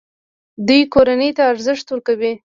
دوی کورنۍ ته ارزښت ورکوي.